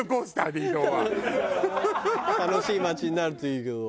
楽しい街になるといいけど。